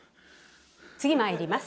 次まいります。